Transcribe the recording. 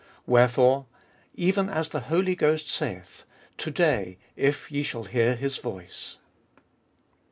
Wherefore, even as the Holy Ghost saith, To day If ye shall hear his voice.